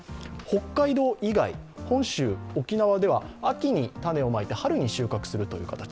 北海道以外、本州、沖縄では秋に種をまいて春に収穫する形。